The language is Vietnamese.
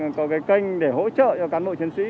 và có những kênh để hỗ trợ cho cán bộ chiến sĩ